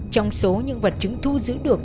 trong số những vật chứng thu giữ được